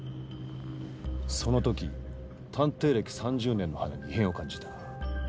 その時探偵歴３０年の鼻に異変を感じた。